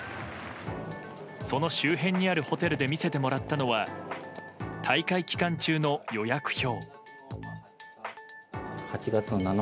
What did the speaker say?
その周辺にあるホテルで見せてもらったのは大会期間中の予約表。